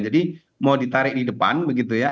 jadi mau ditarik di depan begitu ya